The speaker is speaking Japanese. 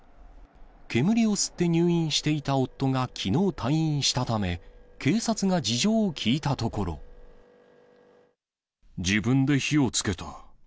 煙を吸って入院していた夫がきのう退院したため、警察が事情を聴自分で火をつけた。